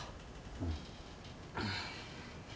うん。